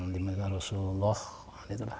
di masa rasulullah itulah